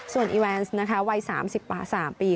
ส่วนอีแวนซ์วัย๓๐ปี